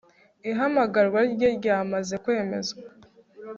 Ihamagarwa rye ryamaze kwemezwa